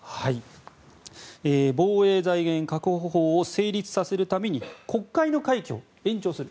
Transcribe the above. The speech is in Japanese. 防衛財源確保法を成立させるために国会の会期を延長する。